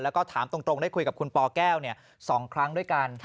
แล้วก็ถามตรงได้คุยกับคุณปแก้ว๒ครั้งด้วยกัน